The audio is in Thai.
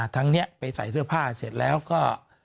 ทั้งนี้ไปใส่เสื้อผ้าเสร็จแล้วก็